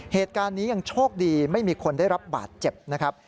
เหตุการณ์นี้ยังโชคดีไม่มีคนได้รับบาดเจ็บนะครับ